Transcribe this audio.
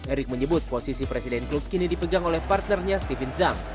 erick menyebut posisi presiden klub kini dipegang oleh partnernya stephin zhang